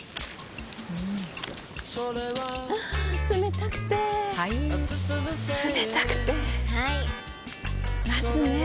あ冷たくてはい冷たくてはい夏ねえ